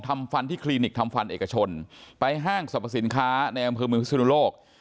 ทำฟันที่คลินิกทำฟันเอกชนไปห้างสรรพสินค้าในอำเภอเมืองพิศนุโลก